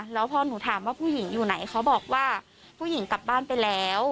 แล้วพอหนูถามว่าผู้หญิงอยู่ไหนเขาบอกว่าผู้หญิงกลับบ้านไปแล้ว